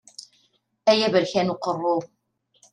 Ay aberkan uqerru!